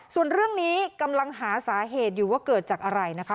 ส่วนเรื่องนี้กำลังหาสาเหตุอยู่ว่าเกิดจากอะไรนะคะ